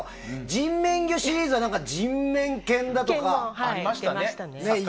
人面魚シリーズは人面犬だとかありましたね。